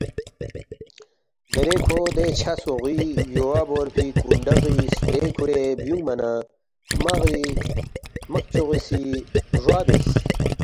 دیرے کھو دے چھہ سوغی یوا بورفی کونڈغی سترے کُھورے بیُونگما نہ ہرمق چوغی سی روا بیاس